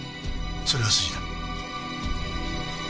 それが筋だ。